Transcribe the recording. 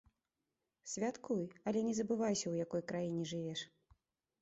Святкуй, але не забывайся, у якой краіне жывеш.